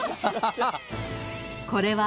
［これは］